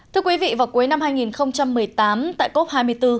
thưa quý vị vào cuối năm hai nghìn một mươi tám tại cop hai mươi bốn